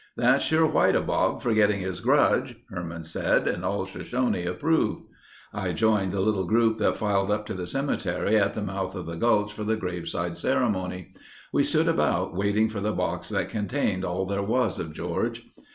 "That's sure white of Bob, forgetting his grudge," Herman said and all Shoshone approved. I joined the little group that filed up to the cemetery at the mouth of the gulch for the graveside ceremony. We stood about waiting for the box that contained all there was of George.